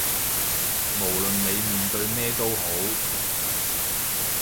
無論你面對咩都好